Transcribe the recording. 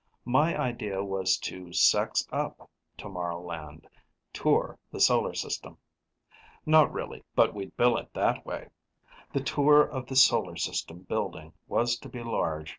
My idea was to sex up Tomorrowland: Tour the Solar System. Not really, but we'd bill it that way. The Tour of the Solar System Building was to be large.